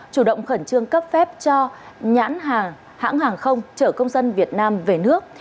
chủ động khẩn trương cấp phép cho nhãn hàng hãng hàng không chở công dân việt nam về nước